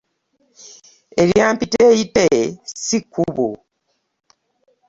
Erya mpiteyite si kkubo .